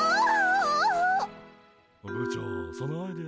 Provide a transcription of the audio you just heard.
部長そのアイデア。